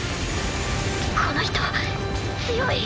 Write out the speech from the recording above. この人強い。